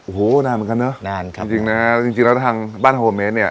โอ้โหนานเหมือนกันเนอะนานครับจริงนะจริงจริงแล้วทางบ้านโฮเมสเนี่ย